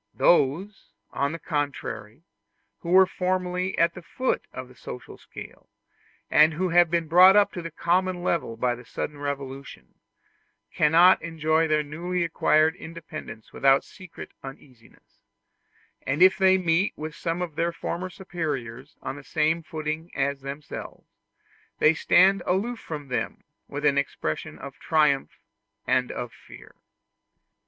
Those, on the contrary, who were formerly at the foot of the social scale, and who have been brought up to the common level by a sudden revolution, cannot enjoy their newly acquired independence without secret uneasiness; and if they meet with some of their former superiors on the same footing as themselves, they stand aloof from them with an expression of triumph and of fear.